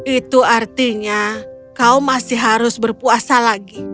itu artinya kau masih harus berpuasa lagi